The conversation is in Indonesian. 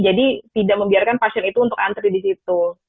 jadi tidak membiarkan pasien itu untuk antri di situ